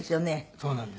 そうなんです。